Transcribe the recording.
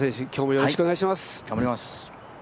よろしくお願いします。